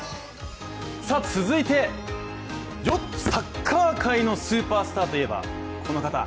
続いて、サッカー界のスーパースターといえばこの方！